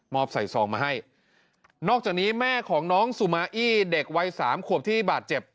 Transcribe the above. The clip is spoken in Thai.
มากนี้นะฮะ